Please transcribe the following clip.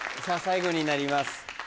さぁ最後になります。